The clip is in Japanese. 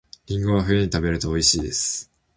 りんごは冬に食べると美味しいです